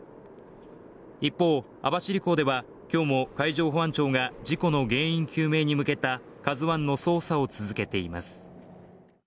一方網走港では今日も海上保安庁が事故の原因究明に向けた「ＫＡＺＵ１」の捜査を続けています